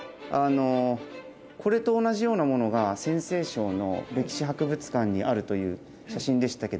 これと同じようなものが陝西省の歴史博物館にあるという写真でしたけども。